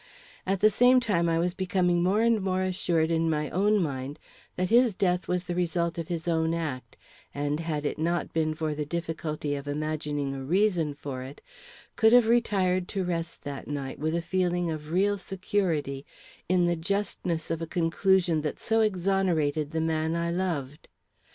At the same time I was becoming more and more assured in my own mind that his death was the result of his own act, and, had it not been for the difficulty of imagining a reason for it, could have retired to rest that night with a feeling of real security in the justness of a conclusion that so exonerated the man I loved.